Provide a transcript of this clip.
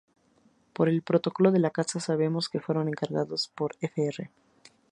Por el "Protocolo de la Casa" sabemos que fueron encargados por fr.